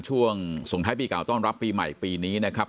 ช่วงส่งท้ายปีเก่าต้อนรับปีใหม่ปีนี้นะครับ